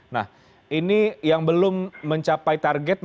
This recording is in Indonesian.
nah ini yang belum mencapai target